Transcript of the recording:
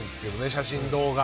写真・動画。